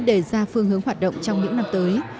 để ra phương hướng hoạt động trong những năm tới